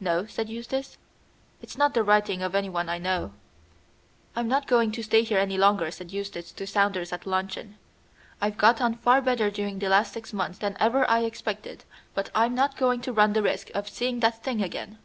"No," said Eustace; "it's not the writing of anyone I know." "I'm not going to stay here any longer," said Eustace to Saunders at luncheon. "I've got on far better during the last six months than ever I expected, but I'm not going to run the risk of seeing that thing again.